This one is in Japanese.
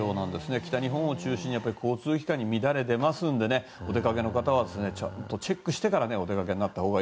北日本を中心に交通機関に乱れが出ますのでお出かけの方はチェックしてからお出かけください。